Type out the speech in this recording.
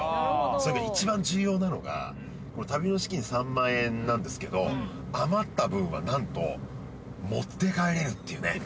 それから一番重要なのが旅の資金３万円なんですけど余った分は何と持って帰れるっていうね